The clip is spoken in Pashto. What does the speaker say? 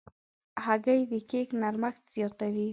هګۍ د کیک نرمښت زیاتوي.